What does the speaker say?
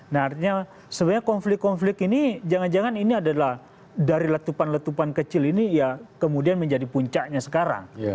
nah artinya sebenarnya konflik konflik ini jangan jangan ini adalah dari letupan letupan kecil ini ya kemudian menjadi puncaknya sekarang